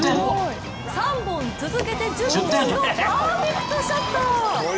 ３本続けて１０点のパーフェクトショット！